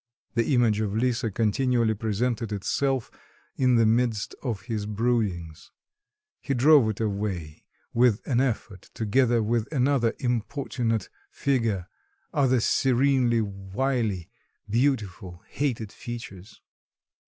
The image of Lisa continually presented itself in the midst of his broodings. He drove it away with an effort together with another importunate figure, other serenely wily, beautiful, hated features.